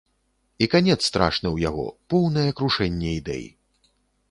І канец страшны ў яго, поўнае крушэнне ідэй.